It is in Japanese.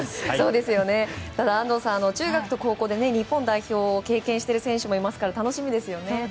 ただ、安藤さん中学と高校で日本代表を経験した選手もいるので楽しみですよね。